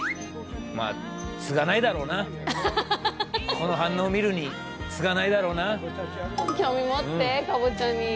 この反応を見るに継がないだろうな。